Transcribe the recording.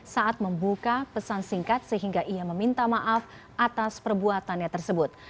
saat membuka pesan singkat sehingga ia meminta maaf atas perbuatannya tersebut